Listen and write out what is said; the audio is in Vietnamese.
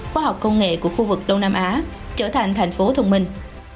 khoa học công nghệ của khu vực đông nam á trở thành thành phố thông minh